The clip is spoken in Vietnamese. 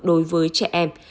đối với trẻ em